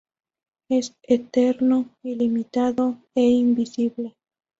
Es eterno, ilimitado e invisible.